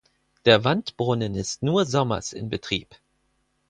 Der Wandbrunnen ist nur sommers in Betrieb.